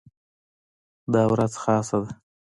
دا ورځ خاصه ده.